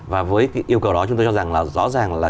và với yêu cầu đó chúng ta cho rằng là rõ ràng là